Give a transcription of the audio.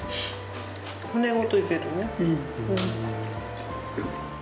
骨ごといけるね。